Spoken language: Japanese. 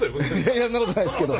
いやそんなことないですけど。